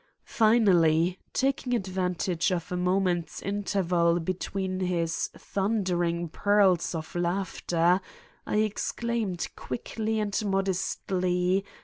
Finally, taking advantage of a moment's interval between his thundering peals of laughter, I exclaimed quickly and modestly